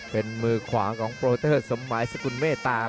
เป็นมือขวาของโปรเตอร์สมหมายสกุลเมตตา